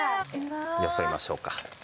よそいましょうか。